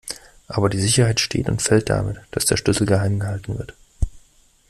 Aber die Sicherheit steht und fällt damit, dass der Schlüssel geheim gehalten wird.